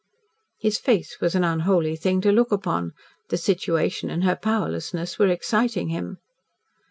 His face was an unholy thing to look upon. The situation and her powerlessness were exciting him.